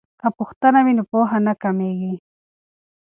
که پوښتنه وي نو پوهه نه کمیږي.